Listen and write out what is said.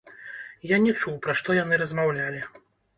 Я не чуў, пра што яны размаўлялі.